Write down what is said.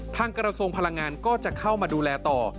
กระทรวงพลังงานก็จะเข้ามาดูแลต่อ